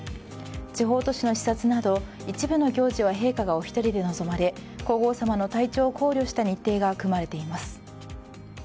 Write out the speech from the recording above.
地方都市の視察など一部の行事は陛下がおひとりで臨まれ皇后さまの体調を考慮した日程が組まれています。